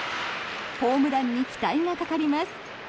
ホームランに期待がかかります。